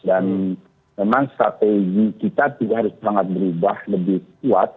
dan memang strategi kita juga harus sangat berubah lebih kuat